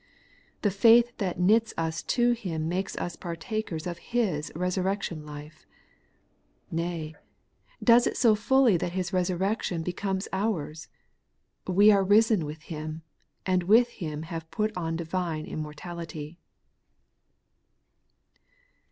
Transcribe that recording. The faith that knits us to Him makes us partakers of His resurrection life ; nay, does it so fully that His resurrection becomes ours : we are risen with Him, and with Him have put on a divine immortality.